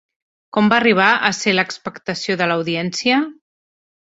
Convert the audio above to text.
Com va arribar a ser l'expectació de l'audiència?